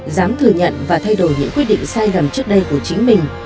dám thừa nhận và thay đổi những quy định sai lầm trước đây của chính mình